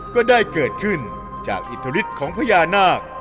ก็ได้เกิดขึ้นจากอิทธิฤทธิ์ของพญานาค